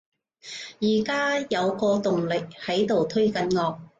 而家有個動力喺度推緊我